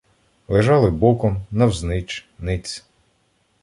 Лежали боком, навзнич, ниць.